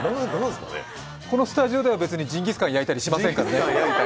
このスタジオでは別にジンギスカンを焼いたりしませんからね。